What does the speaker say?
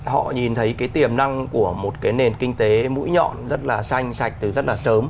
họ nhìn thấy cái tiềm năng của một cái nền kinh tế mũi nhọn rất là xanh sạch từ rất là sớm